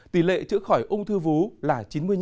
tỷ lệ chữa khỏi ung thư vú là chín mươi năm